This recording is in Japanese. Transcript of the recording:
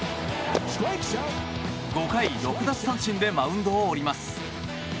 ５回６奪三振でマウンドを降ります。